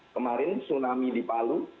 kemarin tsunami di palu